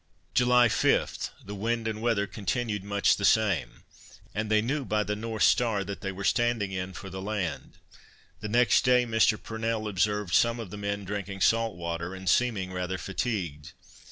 July 5, the wind and weather continued much the same, and they knew by the North star that they were standing in for the land. The next day Mr. Purnell observed some of the men drinking salt water, and seeming rather fatigued.